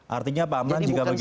artinya pak amran jika begitu